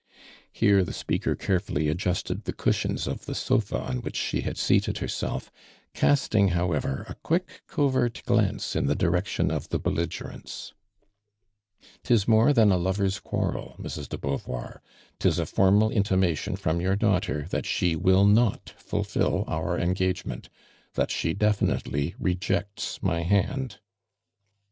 "' llcirc tho spoakor carofullv adjuHte<l tiio cushions of the sofa on which sho luul heated lierself, casting, howcvt r, a quick, covert glance in the direction of tho belligor cnts. " 'Tis more than a lover's (|uarrel, Mrx, <lo Beauvoir, 'tis a formal intimation from your daughter that she will not fuUil om engagement — that she ileHmtely rejects my hand."